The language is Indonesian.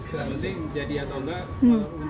jadi atau enggak untuk umkm kita pasti